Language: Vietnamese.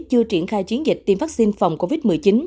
chưa triển khai chiến dịch tiêm vaccine phòng covid một mươi chín